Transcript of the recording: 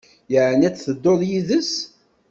Ɛni ad tedduḍ yid-s?